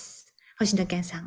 星野源さん